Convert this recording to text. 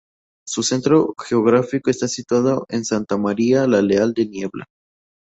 Su centro geográfico está situado en Santa María La Real de Nieva.